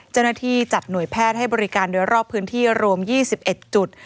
เจ้าหน้าที่จัดหน่วยแพทย์ให้บริการโดยรอบพื้นที่รวม๒๑จุด